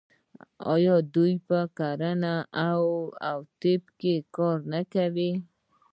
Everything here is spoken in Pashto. آیا دوی په کرنه او طب کې کار نه کوي؟